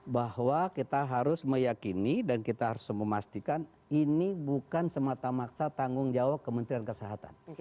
bahwa kita harus meyakini dan kita harus memastikan ini bukan semata mata tanggung jawab kementerian kesehatan